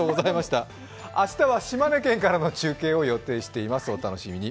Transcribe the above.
明日は島根県からの中継を予定しています。